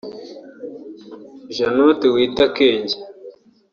Jannot Witakenge